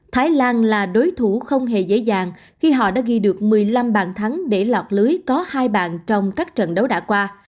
thái lan là đối thủ không hề dễ dàng khi họ đã ghi được một mươi năm bàn thắng để lọt lưới có hai bạn trong các trận đấu đã qua